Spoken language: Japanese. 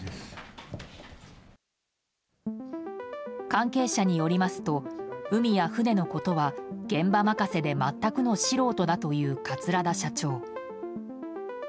関係者によりますと海や船のことは現場任せで全くの素人だという桂田社長。